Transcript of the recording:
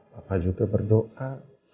papa juga berdoa